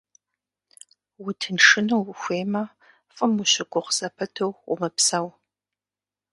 Утыншыну ухуеймэ, фӀым ущыгугъ зэпыту умыпсэу.